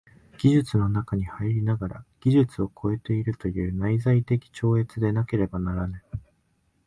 技術の中に入りながら技術を超えているという内在的超越でなければならぬ。